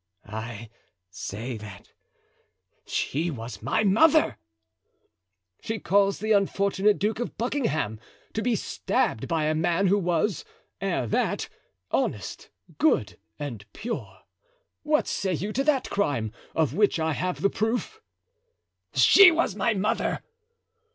"I say that she was my mother." "She caused the unfortunate Duke of Buckingham to be stabbed by a man who was, ere that, honest, good and pure. What say you to that crime, of which I have the proof?" "She was my mother."